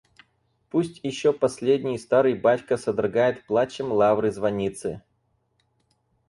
Пусть еще последний, старый батька содрогает плачем лавры звонницы.